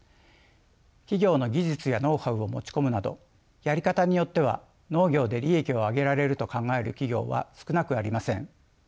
企業の技術やノウハウを持ち込むなどやり方によっては農業で利益を上げられると考える企業は少なくありません。